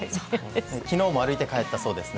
昨日も歩いて帰ったそうですね。